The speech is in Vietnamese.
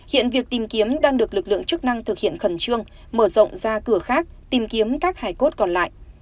hiện việc tìm kiếm đang được lực lượng chức năng thực hiện khẩn trương mở rộng ra cửa khác tìm kiếm các hải cốt còn lại